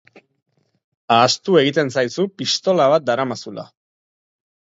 Ahaztu egiten zaizu pistola bat daramazula.